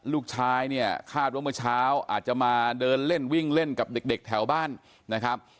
ลูกชายเนี่ยคาดว่าเมื่อเช้าอาจจะมาเดินเล่นวิ่งเล่นกับเด็กแถวบ้านนะครับ